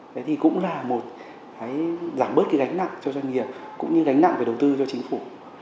đấy thì cũng là một cái giảm bớt cái gánh nặng cho doanh nghiệp cũng như gánh nặng về đầu tư cho chính phủ